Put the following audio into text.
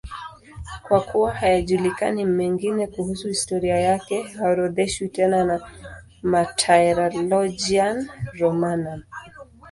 Kwa kuwa hayajulikani mengine kuhusu historia yake, haorodheshwi tena na Martyrologium Romanum.